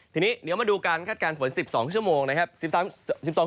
ทีนี้เดี๋ยวมาดูการคาดการณ์ฝน๑๒ชั่วโมงนะครับ